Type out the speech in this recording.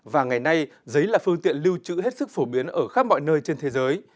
và ngày nay giấy là phương tiện lưu trữ hết sức phổ biến ở khắp mọi nơi trên thế giới